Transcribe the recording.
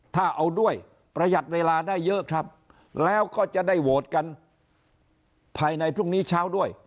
ถ้าเอาด้วยประหยัดเวลาได้เยอะครับแล้วก็จะได้โหวตกันภายในพรุ่งนี้เช้าด้วย